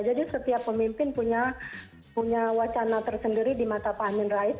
jadi setiap pemimpin punya wacana tersendiri di mata pak hamin rais